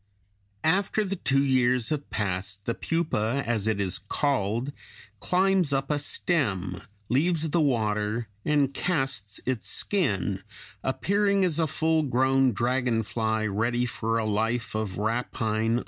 After the two years have passed the pupa, as it is called, climbs up a stem, leaves the water and casts its skin, appearing as a full grown dragon fly ready for a life of rapine on land.